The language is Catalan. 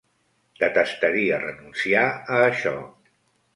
Detestaria renunciar a això.